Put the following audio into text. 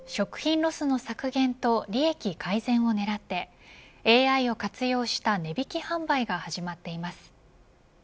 食品ロスの削減と利益改善を狙ってＡＩを活用した値引き販売が始まっています。